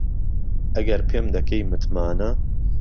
ئهگهر پێم دهکەی متمانه